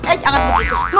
eh jangan begitu